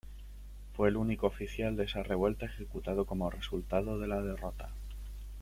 Fue el único oficial de esa revuelta ejecutado como resultado de la derrota.